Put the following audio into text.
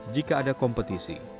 jika ada kompetisi